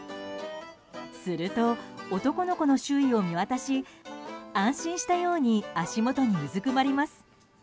すると、男の子の周囲を見渡し安心したように足元にうずくまります。